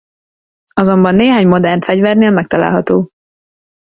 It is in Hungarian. Azonban néhány modern fegyvernél megtalálható.